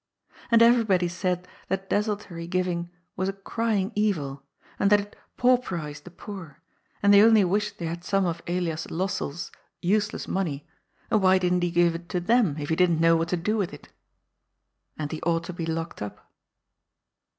And everybody said that desultory giving was a crying evil, and that it " pauperized the poor," and they only wished they had some of Elias Lossell's useless 14 210 GOD'S FOOL. money, and why didn't he giye it to them, if he didn't know what to do with it? And he ought to be locked np.